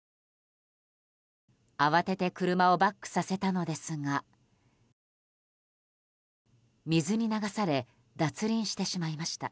慌てて車をバックさせたのですが水に流され脱輪してしまいました。